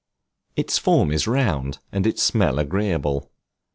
Its form is round, and its smell agreeable.